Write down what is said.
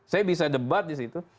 saya bisa debat di situ